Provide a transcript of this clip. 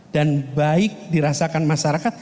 dan baik dirasakan masyarakat